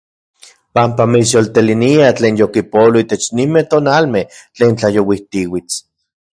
Panpa mitsyoltelinia tlen yokipolo itech ninmej tonalmej tlen tlayouijtiuits.